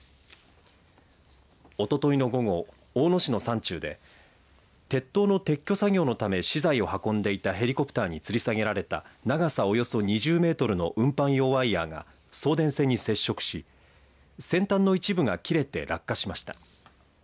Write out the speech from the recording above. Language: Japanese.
おとといの午後大野市の山中で鉄塔の撤去作業のため資材を運んでいたヘリコプターにつり下げられた長さおよそ２０メートルの運搬用ワイヤーが送電線に接触し、先端の一部が切れて落下しました。